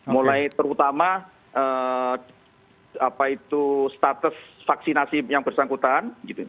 mulai terutama status vaksinasi yang bersangkutan